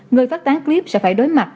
người phát tán clip sẽ phải đối mặt